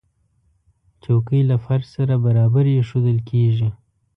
چوکۍ له فرش سره برابرې ایښودل کېږي.